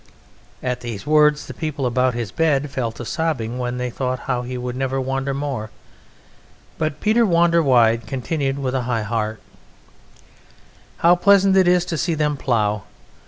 At these words the people about his bed fell to sobbing when they thought how he would never wander more, but Peter Wanderwide continued with a high heart: "How pleasant it is to see them plough!